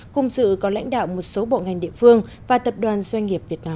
cùng sự có lãnh đạo một số bộ ngành địa phương và tập đoàn doanh nghiệp việt nam